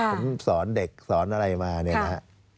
ผมสอนเด็กสอนอะไรมาเนี่ยนะฮะ